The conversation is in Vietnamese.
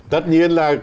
tất nhiên là